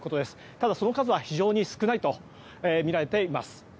ただ、その数は非常に少ないとみられています。